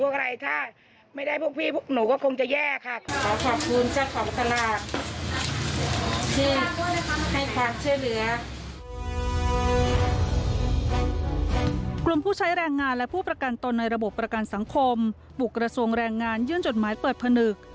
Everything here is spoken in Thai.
กลุ่มผู้ใช้แรงงานและผู้ประกันตนในระบบประกันสังคมบุกกระทรวงแรงงานยื่นจดหมายเปิดผนึก